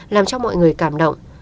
làm cho mọi người cảm động